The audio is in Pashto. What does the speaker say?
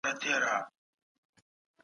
د نشه یي توکو مخنیوی نړیواله همکاري غواړي.